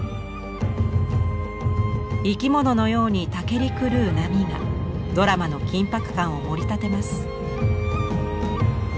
生き物のようにたけり狂う波がドラマの緊迫感をもりたてます。